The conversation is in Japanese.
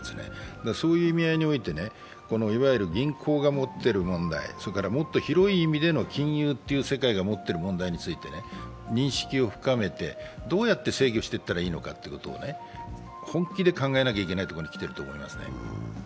そういう意味合いにおいて、いわゆる銀行が持っている問題、もっとひろい意味での金融という世界が持っているものについて認識を深めて、どうやって制御していったらいいのか本気で考えなきゃいけないとこにきていると思いますね。